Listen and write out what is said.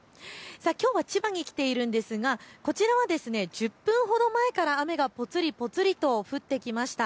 きょうは千葉に来ているんですがこちらは１０分ほど前から雨がぽつりぽつりと降ってきました。